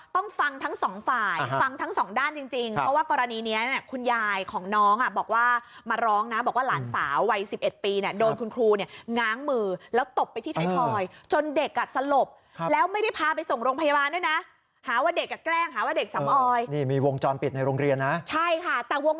ต้องฟังทั้งสองฝ่ายฟังทั้งสองด้านจริงเพราะว่ากรณีนี้เนี่ยคุณยายของน้องอ่ะบอกว่ามาร้องนะบอกว่าหลานสาววัย๑๑ปีเนี่ยโดนคุณครูเนี่ยง้างมือแล้วตบไปที่ไทยทอยจนเด็กอ่ะสลบแล้วไม่ได้พาไปส่งโรงพยาบาลด้วยนะหาว่าเด็กอ่ะแกล้งหาว่าเด็กสำออยนี่มีวงจรปิดในโรงเรียนนะใช่ค่ะแต่วง